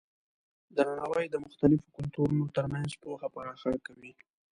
درناوی د مختلفو کلتورونو ترمنځ پوهه پراخه کوي.